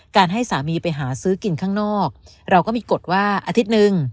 ให้สามีไปหาซื้อกินข้างนอกเราก็มีกฎว่าอาทิตย์หนึ่ง